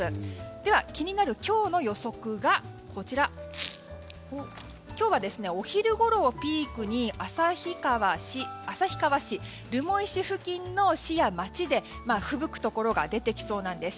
では気になる今日の予測が今日はお昼ごろをピークに旭川市留萌市付近の市や町でふぶくところが出てきそうなんです。